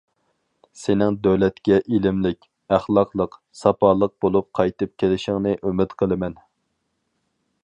سېنىڭ دۆلەتكە ئىلىملىك، ئەخلاقلىق، ساپالىق بولۇپ قايتىپ كېلىشىڭنى ئۈمىد قىلىمەن.